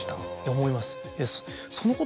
思います。